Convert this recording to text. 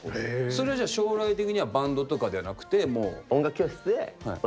それじゃあ将来的にはバンドとかではなくてもう。